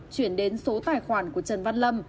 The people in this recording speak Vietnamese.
chuyển đến số tài khoản của trần văn lâm